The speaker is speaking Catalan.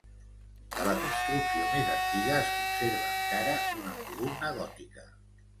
De la construcció més antiga es conserva encara una columna gòtica.